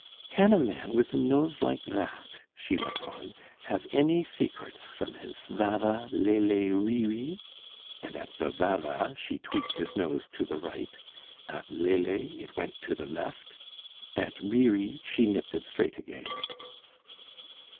"Can a man with a nose like that," she went on, "have any secrets from his Vava lele ririe?" And at the Vava she tweaked his nose to the right; at lele it went to the left; at ririe she nipped it straight again.